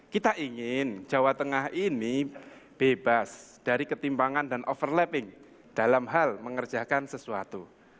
kita ingin jawa tengah ini bebas dari ketimpangan dan overlapping dalam hal mengerjakan sesuatu